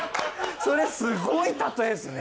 それすごい例えですね。